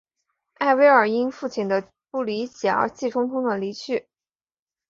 艾薇尔因父亲的不理解而气冲冲地离去。